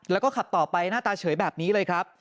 แล้วก็ขับต่อไปหน้าตาเฉยแบบนี้เลยครับ